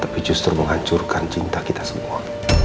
tapi justru menghancurkan cinta kita semua